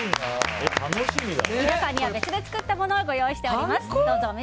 皆さんには別で作ったものをご用意しております。